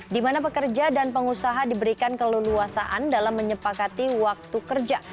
di mana pekerja dan pengusaha diberikan keleluasaan dalam menyepakati waktu kerja